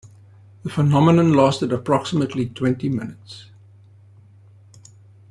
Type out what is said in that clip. The phenomenon lasted approximately twenty minutes.